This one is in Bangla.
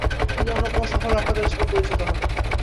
তিনি অন্যতম সফল নাট্যকার হিসেবে পরিচিত হন।